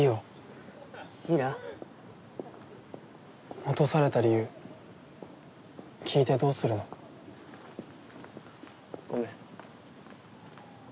落とされた理由聞いてどうするの。ごめん。